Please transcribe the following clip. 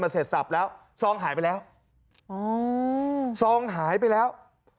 มันเสร็จสรรพแล้วซองหายไปแล้ว